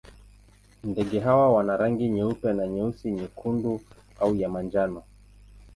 Ndege hawa wana rangi nyeupe na nyeusi, nyekundu au ya manjano.